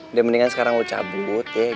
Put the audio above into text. udah mendingan sekarang udah cabut ya